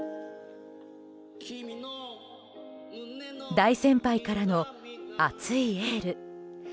大先輩からの熱いエール。